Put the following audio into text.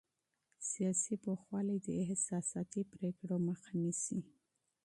سیاسي پوخوالی د احساساتي پرېکړو مخه نیسي